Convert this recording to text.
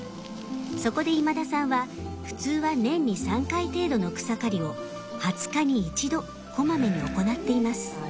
そこで今田さんは普通は年に３回程度の草刈りを２０日に１度こまめに行っています。